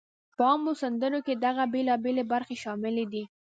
په عامو سندرو کې دغه بېلابېلی برخې شاملې دي: